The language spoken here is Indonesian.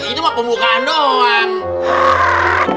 ini mah pembukaan dong